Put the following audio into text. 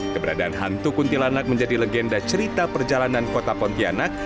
keberadaan hantu kuntilanak menjadi legenda cerita perjalanan kota pontianak